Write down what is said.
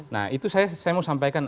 nah itu saya mau sampaikan